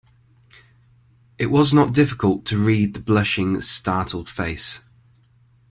It was not difficult to read the blushing, startled face.